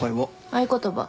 合言葉。